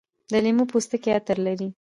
د لیمو پوستکي عطر لري.